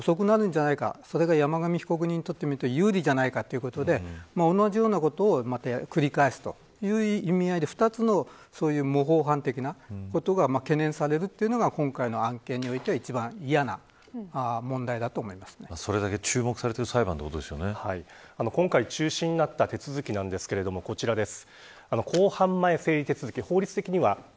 あるいは遅くなるんじゃないかそれが山上被告にとってメリットになるじゃないかということで同じようなことを繰り返すという意味合いで２つの模倣犯的なことが懸念されるというのが今回の案件においてはそれだけ注目されている裁判今回中止になった手続きなんですが、こちらです。